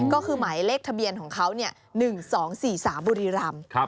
ก็คือหมายเลขทะเบียนของเขา๑๒๔๓บุรีรำ